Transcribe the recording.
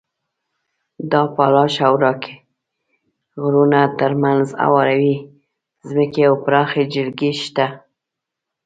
د اپالاش او راکي غرونو تر منځ هوارې ځمکې او پراخې جلګې شته.